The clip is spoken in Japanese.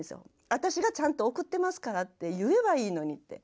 私がちゃんと送ってますからって言えばいいのにって。